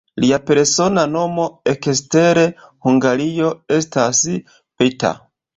Lia persona nomo ekster Hungario estas "Peter".